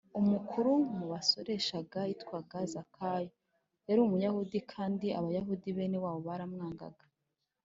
“umukuru mu basoreshaga” yitwaga zakayo, yari umuyahudi kandi abayahudi bene wabo baramwangaga